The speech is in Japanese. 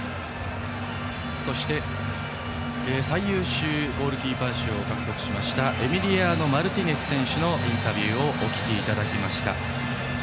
そして最優秀ゴールキーパー賞を獲得しましたエミリアーノ・マルティネス選手のインタビューお聞きいただきました。